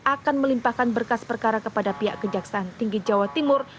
akan melimpahkan berkas perkara kepada pihak kejaksaan tinggi jawa timur